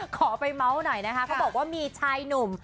ขอไปเมาส์หน่อยนะคะเขาบอกว่ามีชายหนุ่ม